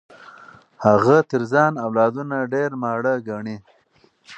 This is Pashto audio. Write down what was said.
هغه تر ځان اولادونه ډېر ماړه ګڼي.